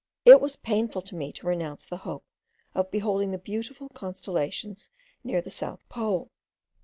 It was painful to me to renounce the hope of beholding the beautiful constellations near the south pole.